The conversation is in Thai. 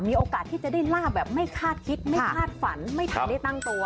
มีโอกาสที่จะได้ลาบแบบไม่คาดคิดไม่คาดฝันไม่ทันได้ตั้งตัว